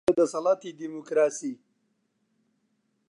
ڕۆڵی ئۆپۆزسیۆن لە دەسەڵاتی دیموکراسی